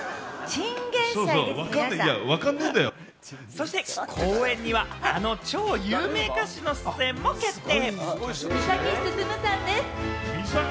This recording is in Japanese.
そして公演にはあの超有名歌手の出演も決定！